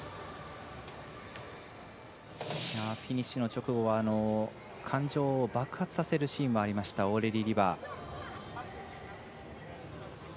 ィニッシュの直後は感情を爆発させるシーンもありましたオーレリー・リバー。